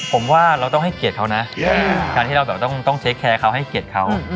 ผมว่าเราต้องให้เกียรติเขานะการที่เราแบบต้องเช็คแคร์เขาให้เกียรติเขา